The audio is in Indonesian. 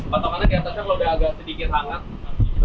potongannya keatasnya kalau udah agak sedikit hangat